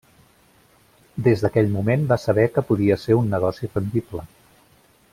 Des d’aquell moment va saber que podia ser un negoci rendible.